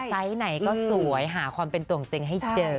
ไหนก็สวยหาความเป็นตวงเต็งให้เจอ